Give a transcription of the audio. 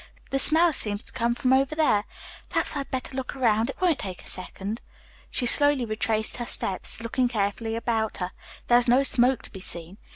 The smell seems to come from over there. Perhaps I'd better look around. It won't take a second." She slowly retraced her steps, looking carefully about her. There was no smoke to be seen.